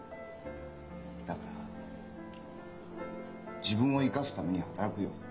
だから自分を生かすために働くよ。